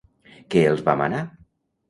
Què els va manar?